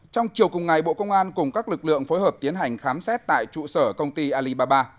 trong chiều cùng ngày bộ công an cùng các lực lượng phối hợp tiến hành khám xét tại trụ sở công ty alibaba